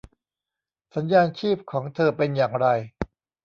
สัญญาณชีพของเธอเป็นอย่างไร